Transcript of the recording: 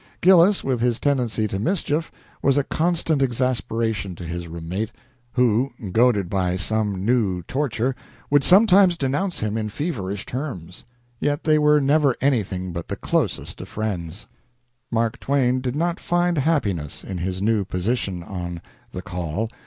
Gillis, with his tendency to mischief, was a constant exasperation to his room mate, who, goaded by some new torture, would sometimes denounce him in feverish terms. Yet they were never anything but the closest friends. Mark Twain did not find happiness in his new position on the "Call."